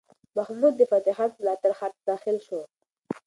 محمود د فتح خان په ملاتړ ښار ته داخل شو.